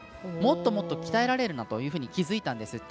もっと鍛えられるなと気付いたんですって。